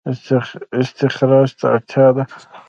استخراج ته اړتیا ده